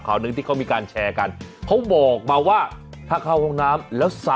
หนึ่งที่เขามีการแชร์กันเขาบอกมาว่าถ้าเข้าห้องน้ำแล้ว